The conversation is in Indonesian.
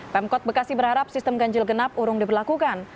pemkot bekasi berharap sistem ganjil genap urung diberlakukan